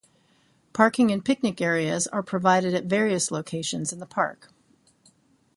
Parking and picnic areas are provided at various locations in the park.